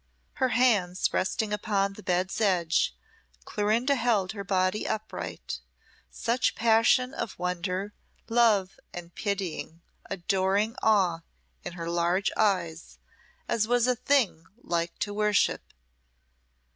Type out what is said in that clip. Her hands resting upon the bed's edge, Clorinda held her body upright, such passion of wonder, love, and pitying adoring awe in her large eyes as was a thing like to worship.